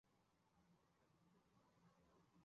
一定还在某个地方